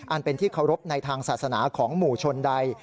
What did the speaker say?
อันเป็นที่เคารพในทางศาสนาของหมู่ชนใด